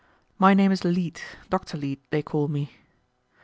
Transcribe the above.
My name is Leete, Dr. Leete they call me."